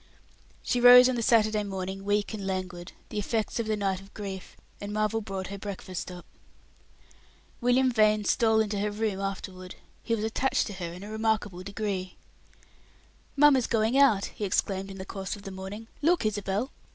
She rose on the Saturday morning weak and languid, the effects of the night of grief, and Marvel brought her breakfast up. William Vane stole into her room afterward; he was attached to her in a remarkable degree. "Mamma's going out," he exclaimed, in the course of the morning. "Look, Isabel."